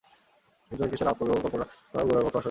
সুচরিতাকে সে লাভ করিবে এমন কথা কল্পনা করাও গোরার পক্ষে অসহ্য।